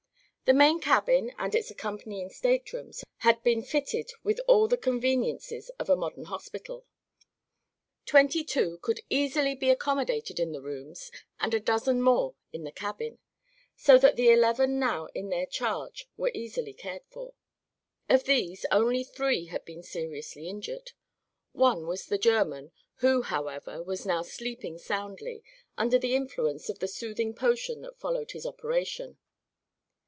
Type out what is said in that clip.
The main cabin and its accompanying staterooms had been fitted with all the conveniences of a modern hospital. Twenty two could easily be accommodated in the rooms and a dozen more in the cabin, so that the eleven now in their charge were easily cared for. Of these, only three had been seriously injured. One was the German, who, however, was now sleeping soundly under the influence of the soothing potion that followed his operation.